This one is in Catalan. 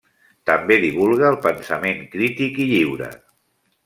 També divulga el pensament crític i lliure.